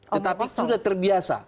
tetapi sudah terbiasa